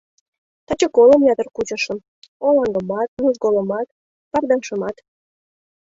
— Таче колым ятыр кучышым: олаҥгымат, нужголымат, пардашымат...